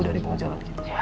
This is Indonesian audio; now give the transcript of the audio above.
tidak di panggil